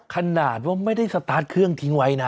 ขนาดว่าไม่ได้สตาร์ทเครื่องทิ้งไว้นะ